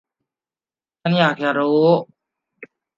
ฉันอยากจะรู้.